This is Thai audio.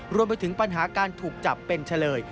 รวมไปถึงปัญหาการถูกจับเป็นเฉลย